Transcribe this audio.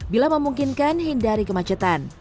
jangan memungkinkan hindari kemacetan